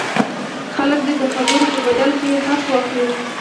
خلک دې د خبرو په بدل کې حق واخلي.